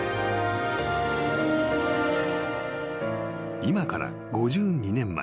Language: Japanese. ［今から５２年前］